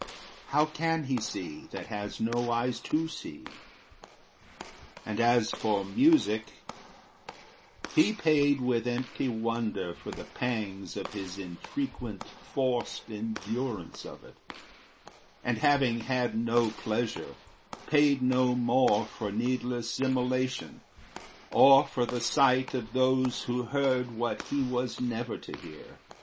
How can he see That has no eyes to see? And as for music, He paid with empty wonder for the pangs Of his infrequent forced endurance of it; And having had no pleasure, paid no more For needless immolation, or for the sight Of those who heard what he was never to hear.